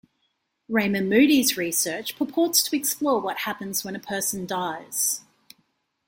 Raymond Moody's research purports to explore what happens when a person dies.